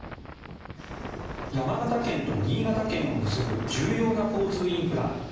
山形県と新潟県を結ぶ重要な交通インフラ